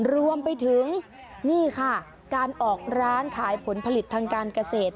รวมไปถึงนี่ค่ะการออกร้านขายผลผลิตทางการเกษตร